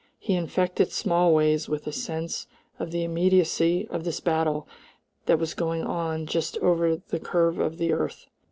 He infected Smallways with a sense of the immediacy of this battle that was going on just over the curve of the earth.